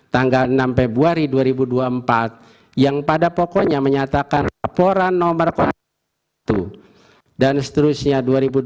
tanggal enam februari dua ribu dua puluh empat yang pada pokoknya menyatakan laporan nomor kota itu dan seterusnya